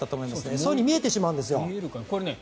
そういうふうに見えてしまうんですよ。